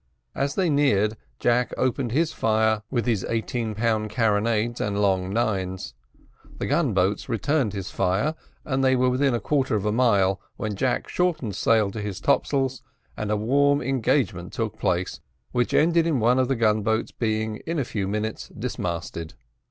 As they neared, Jack opened his fire with his eighteen pound carronades and long nines. The gun boats returned his fire, and they were within a quarter of a mile, when Jack shortened sail to his top sails, and a warm engagement took place, which ended in one of the gun boats being in a few minutes dismasted.